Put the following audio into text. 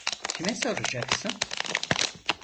Kime soracaksın?